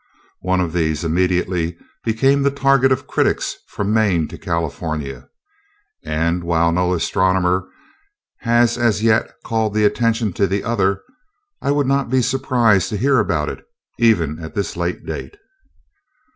One of these immediately became the target of critics from Maine to California and, while no astronomer has as yet called attention to the other, I would not be surprised to hear about it, even at this late date.